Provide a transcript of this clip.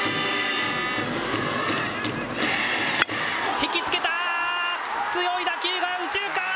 引き付けた強い打球が落ちるか。